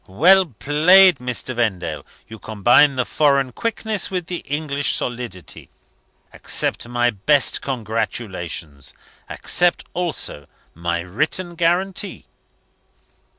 "Well played, Mr. Vendale! You combine the foreign quickness with the English solidity. Accept my best congratulations. Accept, also, my written guarantee."